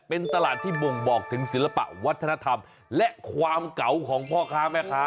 เป็นตลาดที่บ่งบอกถึงศิลปะวัฒนธรรมและความเก่าของพ่อค้าแม่ค้า